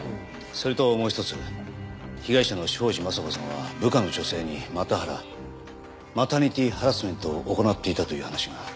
それともう一つ被害者の庄司雅子さんは部下の女性にマタハラマタニティハラスメントを行っていたという話が。